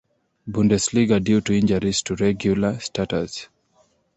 Bundesliga due to injuries to regular starters.